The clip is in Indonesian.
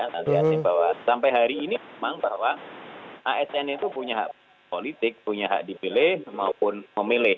nanti bahwa sampai hari ini memang bahwa asn itu punya hak politik punya hak dipilih maupun memilih